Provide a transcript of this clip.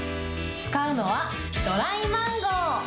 使うのはドライマンゴー。